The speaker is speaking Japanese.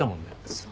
そう。